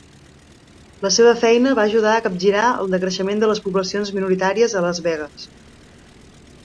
La seva feina va ajudar a capgirar el decreixement de les poblacions minoritàries a Las Vegas.